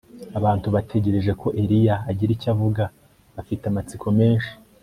Abantu bategereje ko Eliya agira icyo avuga bafite amatsiko menshi